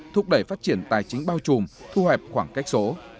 thúc đẩy phát triển tài chính bao trùm thu hẹp khoảng cách số